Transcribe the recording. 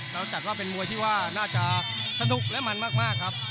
เราจัดว่าเป็นมวยที่ว่าน่าจะสนุกและมันมากครับ